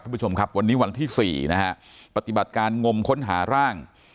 คุณผู้ชมครับวันนี้วันที่๔นะฮะปฏิบัติการงมค้นหาร่าง